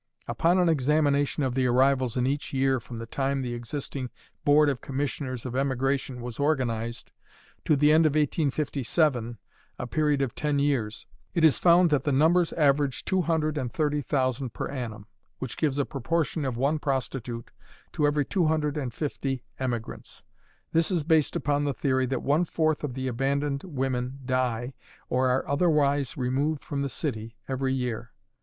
Upon an examination of the arrivals in each year from the time the existing Board of Commissioners of Emigration was organized to the end of 1857 (a period of ten years), it is found that the numbers average two hundred and thirty thousand per annum, which gives a proportion of one prostitute to every two hundred and fifty emigrants. This is based upon the theory that one fourth of the abandoned women die or are otherwise removed from the city every year.